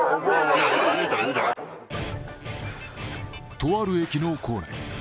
とある駅の構内。